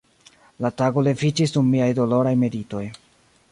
La tago leviĝis dum miaj doloraj meditoj.